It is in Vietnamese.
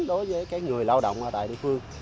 đối với người lao động ở đại địa phương